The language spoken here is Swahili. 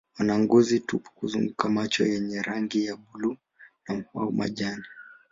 Wana ngozi tupu kuzunguka macho yenye rangi ya buluu au majani.